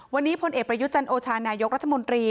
วันนี้พลเอกประยุจันโอชานายกรัฐมนตรี